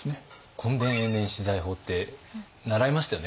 墾田永年私財法って習いましたよね？